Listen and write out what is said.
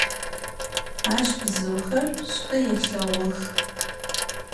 Aş bzıuxer ş'u yêlheğux.